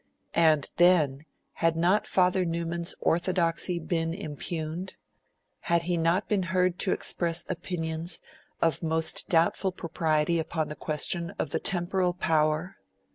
And then, had not Father Newman's orthodoxy been impugned? Had he not been heard to express opinions of most doubtful propriety upon the question of the Temporal Power?